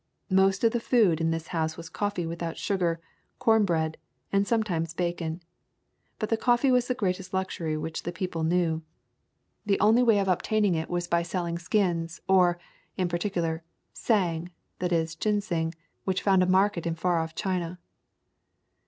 Most of the food in this house was coffee without sugar, corn bread, and some times bacon. But the coffee was the greatest luxury which these people knew. The only way [ 40 ] The Cumberland Mountams of obtaining it was by selling skins, or, in par ticular, "sang," that is ginseng, which found a market in far off China.